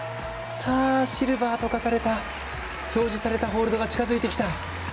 シルバーと表示されたホールドが近づいてきた。